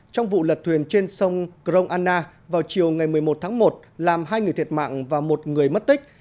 trong vụ lật thuyền trên sông crong anna vào chiều ngày một mươi một tháng một làm hai người thiệt mạng và một người mất tích